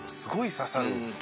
刺さる。